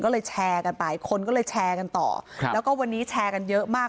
ก็เลยแชร์กันไปคนก็เลยแชร์กันต่อครับแล้วก็วันนี้แชร์กันเยอะมาก